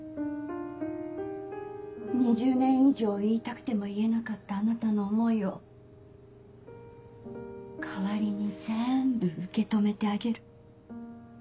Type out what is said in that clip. ２０年以上言いたくても言えなかったあなたの思いを代わりに全部受け止めてあげる。